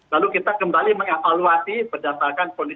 lalu kita kembali mengevaluasi berdasarkan kondisi